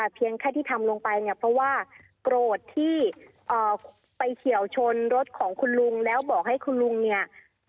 เพียงแค่ที่ทำลงไปเนี่ยเพราะว่าโกรธที่ไปเฉียวชนรถของคุณลุงแล้วบอกให้คุณลุงเนี่ย